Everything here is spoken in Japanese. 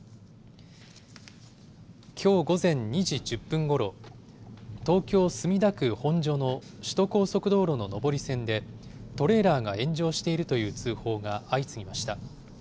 きょう午前２時１０分ごろ、東京・墨田区本所の首都高速道路の上り線で、トレーラーが炎上しているという通報が相次ぎました。